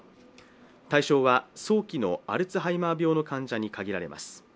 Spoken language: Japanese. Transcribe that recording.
対象は早期のアルツハイマー病の患者に限られます。